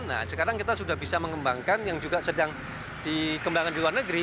nah sekarang kita sudah bisa mengembangkan yang juga sedang dikembangkan di luar negeri